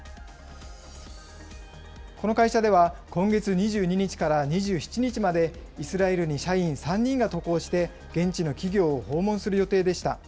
この会社では、今月２２日から２７日まで、イスラエルに社員３人が渡航して、現地の企業を訪問する予定でした。